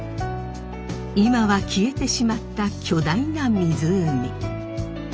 今は消えてしまった巨大な湖。